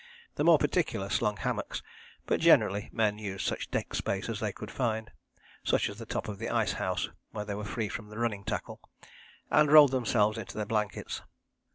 The more particular slung hammocks, but generally men used such deck space as they could find, such as the top of the icehouse, where they were free from the running tackle, and rolled themselves into their blankets.